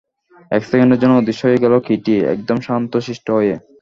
এক সেকেন্ডের জন্য অদৃশ্য হয়ে গেল কিটি, একদম শান্তশিষ্ট হয়ে।